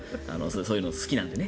そういうの好きなのでね。